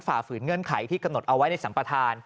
ฝืนเงื่อนไขที่กำหนดเอาไว้ในสัมปทาน